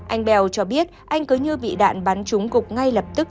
anh bèo cho biết anh cứ như bị đạn bắn trúng gục ngay lập tức